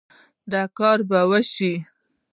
دا کار به وشي